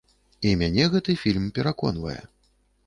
І мяне гэты фільм пераконвае.